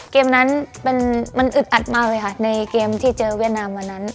เกมนั้นมันอึดอัดมากเลยค่ะในเกมที่เจอเวียดนามวันนั้น